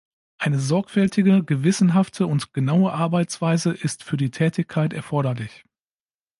Eine sorgfältige, gewissenhafte und genaue Arbeitsweise ist für die Tätigkeit erforderlich.